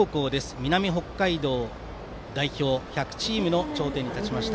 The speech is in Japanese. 南北海道代表１００チームの頂点に立ちました。